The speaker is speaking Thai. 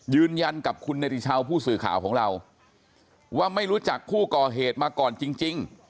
ยืนยันกับคุณเนติชาวผู้สื่อข่าวของเราว่าไม่รู้จักผู้ก่อเหตุมาก่อนจริง